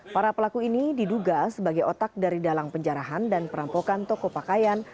para pelaku ini diduga sebagai otak dari dalang penjarahan dan perampokan toko pakaian